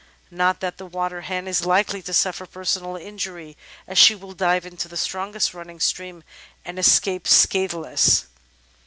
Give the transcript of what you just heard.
Not that the Waterhen is likely to suffer personal injury, as she will dive into the strongest running stream and escape scatheless.